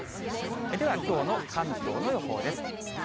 では、きょうの関東の予報です。